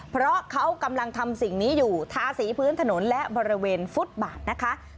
เพราะเขากำลังทำสิ่งนี้อยู่ทาสีพื้นถนนและบริเวณฟุตบาทนะคะ